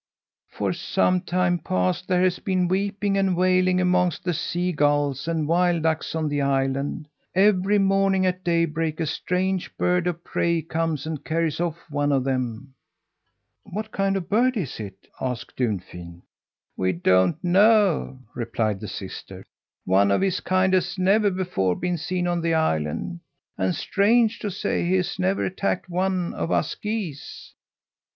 "For some time past there has been weeping and wailing amongst the sea gulls and wild ducks on the island. Every morning at daybreak a strange bird of prey comes and carries off one of them." "What kind of a bird is it?" asked Dunfin. "We don't know," replied the sister. "One of his kind has never before been seen on the island, and, strange to say, he has never attacked one of us geese.